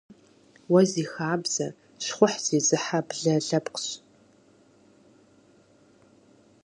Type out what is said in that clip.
Блашэр уэ зи хабзэ, щхъухь зезыхьэ блэ лъэпкъщ.